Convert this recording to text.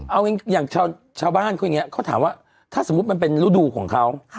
เอาอย่างชาวบ้านเขาอย่างนี้เขาถามว่าถ้าสมมุติมันเป็นฤดูของเขา